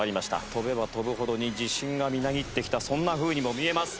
跳べば跳ぶほどに自信がみなぎってきたそんなふうにも見えます。